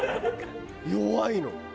弱いの。